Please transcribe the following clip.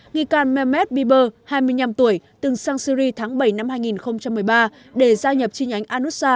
nghi can mehmet bieber hai mươi năm tuổi từng sang syri tháng bảy năm hai nghìn một mươi ba để gia nhập chi nhánh anusa